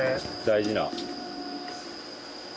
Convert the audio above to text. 大事な。